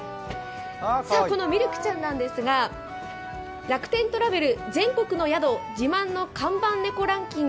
このミルクちゃんなんですが、楽天トラベル・全国の宿自慢の看板猫ランキング